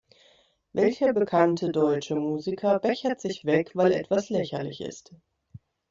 Welcher bekannte deutsche Musiker bechert sich weg, weil etwas lächerlich ist?